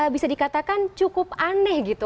bisa dikatakan cukup aneh gitu